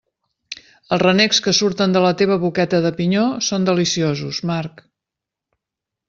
Els renecs que surten de la teva boqueta de pinyó són deliciosos, Marc.